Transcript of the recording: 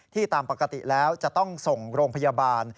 ตามปกติแล้วจะต้องส่งโรงพยาบาล